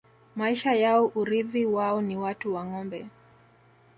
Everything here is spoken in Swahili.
Maisha yao urithi wao ni watu na ngombe